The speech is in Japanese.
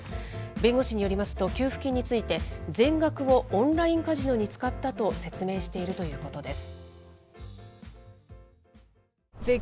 弁護士によりますと、給付金について、全額をオンラインカジノに使ったと説明しているということです。